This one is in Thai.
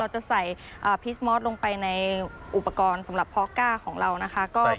จะใส่พีชมอสลงไปในอุปกรณ์สำหรับพอก้าของเรานะคะ